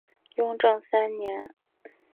雍正三年。